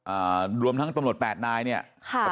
อ่ารวมทั้งตำรวจแปดนายเนี้ยค่ะ